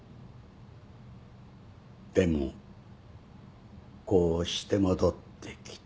でもこうして戻ってきた。